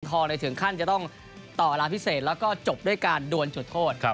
ถึงขั้นจะต้องต่อเวลาพิเศษแล้วก็จบด้วยการดวนจุดโทษ